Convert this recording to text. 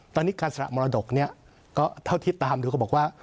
ตอนนี้การสละมรดกก็เท่าที่ตามดูก็บอกว่า